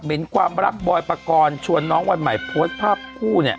เห็นความรักบอยปกรณ์ชวนน้องวันใหม่โพสต์ภาพคู่เนี่ย